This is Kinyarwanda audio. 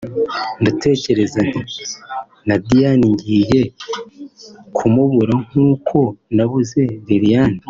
ndatekereza nti na Diane ngiye kumubura nk’uko nabuze Liliane